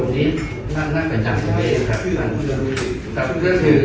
ผมอยู่ตรงนี้น่างไปจัดส่วนเวลาครับ